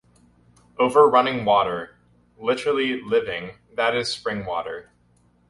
Over running water - Literally "living", that is, spring water.